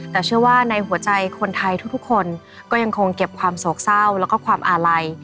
แต่เชื่อว่าในหัวใจคนไทยทุกคนก็ยังคงเก็บความโศกเศร้าแล้วก็ความอาลัย